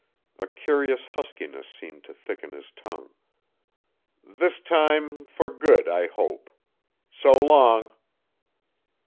A curious huskiness seemed to thicken his tongue. "This time for good, I hope. So long."